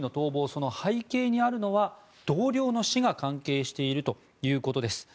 その背景にあるのは同僚の死が関係しているということです。